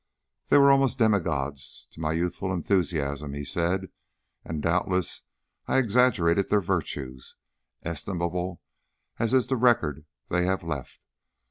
"They were almost demi gods to my youthful enthusiasm," he said, "and doubtless I exaggerated their virtues, estimable as is the record they have left.